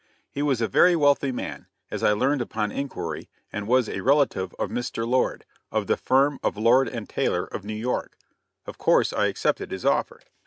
He was a very wealthy man, as I learned upon inquiry, and was a relative of Mr. Lord, of the firm of Lord & Taylor, of New York. Of course I accepted his offer.